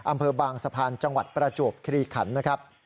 อำเภอบางสะพานจังหวัดประจวบคลีขันนะครับ